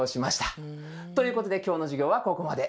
ということで今日の授業はここまで。